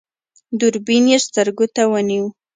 دوربين يې سترګو ته ونيو.